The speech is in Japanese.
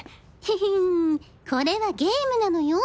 フフンこれはゲームなのよ。